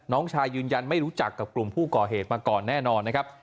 น้องชายยืนยันไม่รู้จักกับกลุ่มผู้ก่อเหตุมาก่อนแน่นอนนะครับ